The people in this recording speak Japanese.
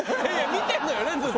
見てるのよねずっと。